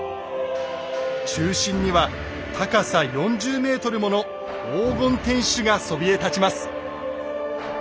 中心には高さ４０ｍもの黄金天守がそびえ立ちます。